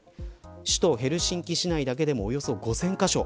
首都ヘルシンキ市内だけでもおよそ５０００カ所